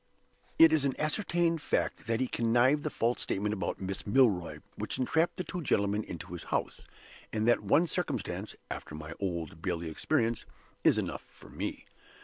It is an ascertained fact that he connived at the false statement about Miss Milroy, which entrapped the two gentlemen into his house; and that one circumstance (after my Old Bailey experience) is enough for me.